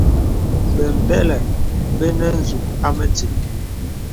Bəmbə̀lə bə nə nzūk à mətíl.